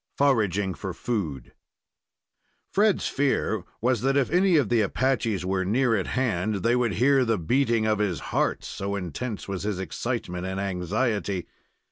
FORAGING FOR FOOD Fred's fear was that if any of the Apaches were near at hand they would hear the beating of his heart so intense was his excitement and anxiety.